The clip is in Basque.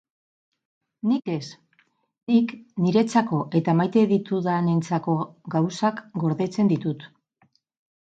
Nik ez, nik niretzako eta maite ditudanentzako gauzak gordetzen ditut.